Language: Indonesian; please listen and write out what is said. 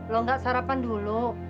lo gak sarapan dulu